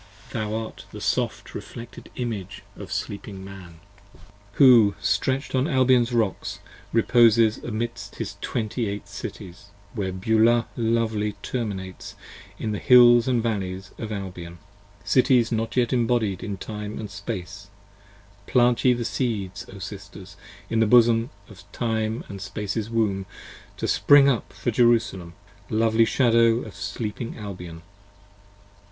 Thou art the soft reflected Image of the Sleeping Man, 105 i 2s Who stretch'd on Albion's rocks reposes amidst his Twenty eight Cities; where Beulah lovely terminates, in the hills & valleys of Albion. Cities not yet embodied in Time and Space: plant ye The Seeds, O Sisters, in the bosom of Time & Space's womb To spring up for Jerusalem: lovely Shadow of Sleeping Albion.